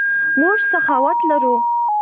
موږ سخاوت لرو.